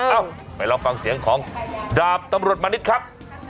เอ้าไปลองฟังเสียงของดาบตำรวจมณิษฐ์ครับ